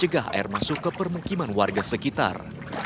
kami juga menjaga air masuk ke permukiman warga sekitar